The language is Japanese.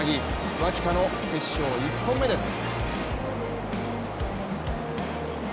脇田の決勝１本目です。